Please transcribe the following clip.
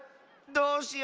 どうしよう！